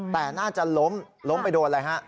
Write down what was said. แต่น่าจะล้มล้มไปโดนอะไรฮะ